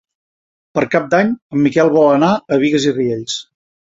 Per Cap d'Any en Miquel vol anar a Bigues i Riells.